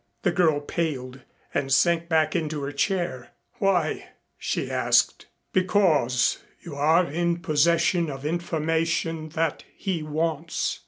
The girl paled and sank back into her chair. "Why?" she asked. "Because you are in possession of information that he wants."